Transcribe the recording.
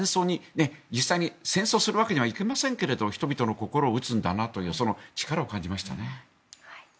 実際に戦争するわけにはいきませんけど人々の心を打つんだなという力を感じました。